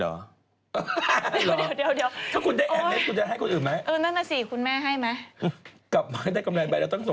เออนั่นน่ะสิคุณแม่ให้มั้ย